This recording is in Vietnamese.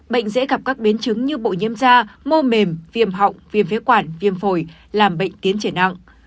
bệnh dễ gặp các biến chứng như bội nhiễm da mô mềm viêm họng viêm phế quản viêm phổi làm bệnh tiến triển nặng